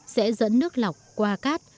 sẽ dẫn nước lọc qua cát